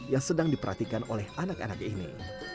yang sedang diperhatikan oleh anak anak ini